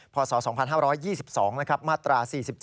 พศ๒๕๒๒นะครับมาตรา๔๗